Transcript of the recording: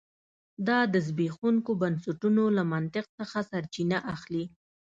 دا د زبېښونکو بنسټونو له منطق څخه سرچینه اخلي